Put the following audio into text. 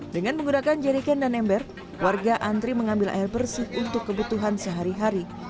dengan menggunakan jerry can dan ember warga antri mengambil air bersih untuk kebutuhan sehari hari